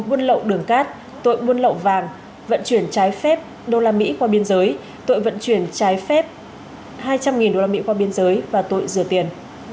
buôn lậu đường cát tội buôn lậu vàng vận chuyển trái phép usd qua biên giới tội vận chuyển trái phép usd hai trăm linh qua biên giới và tội rửa tiền